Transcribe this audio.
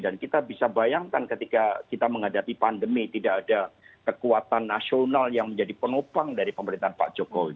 dan kita bisa bayangkan ketika kita menghadapi pandemi tidak ada kekuatan nasional yang menjadi penopang dari pemerintahan pak jokowi